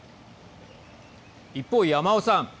一方、山尾さん。